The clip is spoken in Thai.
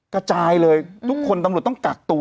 กระจายเลยทุกคนตำรวจต้องกักตัว